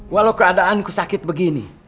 walau keadaanku sakit begini